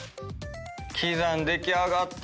喜山出来上がった。